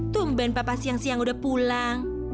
tumban papa siang siang udah pulang